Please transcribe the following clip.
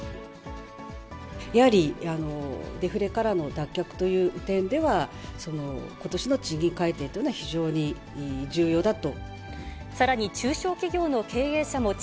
やはりデフレからの脱却という点では、ことしの賃金改定というのは非常に重要だと。